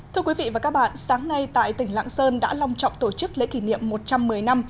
thưa quý vị và các bạn sáng nay tại tỉnh lạng sơn đã long trọng tổ chức lễ kỷ niệm một trăm một mươi năm